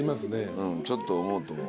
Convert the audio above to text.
うんちょっと思うと思う。